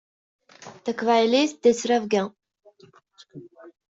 Taqbaylit d ttrebga.